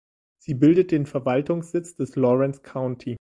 Sie bildet den Verwaltungssitz des Lawrence County.